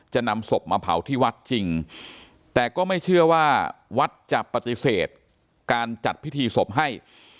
จะนำศพมาเผาที่วัดจริงแต่ก็ไม่เชื่อว่าวัดจะปฏิเสธการจัดพิธีศพให้